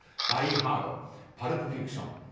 「ダイ・ハード」「パルプ・フィクション」